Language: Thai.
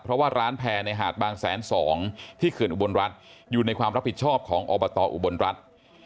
เพราะว่าร้านแพร่ในหาดบางแสนสองที่เขื่อนอุบลรัฐอยู่ในความรับผิดชอบของอบตอุบลรัฐ